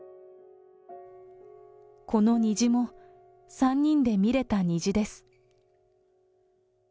この虹も３人で見れた虹です。